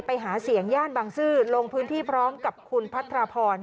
ไปหาเสียงย่านบางซื่อลงพื้นที่พร้อมกับคุณพัทรพร